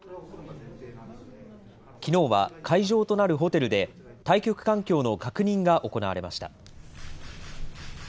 きのうは会場となるホテルで、対局環境の確認が行われました。